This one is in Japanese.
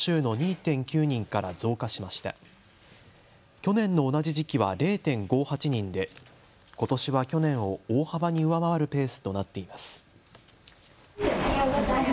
去年の同じ時期は０．５８人でことしは去年を大幅に上回るペースとなっています。